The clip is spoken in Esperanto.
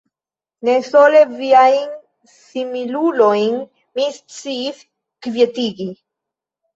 Ne sole viajn similulojn mi sciis kvietigi.